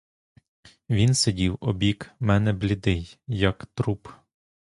Він сидів обік мене блідий, як труп.